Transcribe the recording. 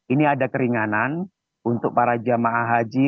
ini ada keringanan untuk para jamaah haji